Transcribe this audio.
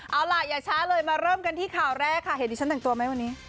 เอาล่ะอย่าช้าเลยมาเริ่มกันที่ข่าวแรกค่ะเห็นดิฉันแต่งตัวไหมวันนี้